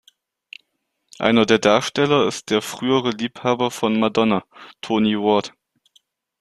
Einer der Darsteller ist der frühere Liebhaber von Madonna, Tony Ward.